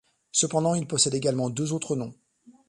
Cependant, il possède également deux autres noms.